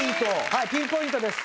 はいピンポイントです。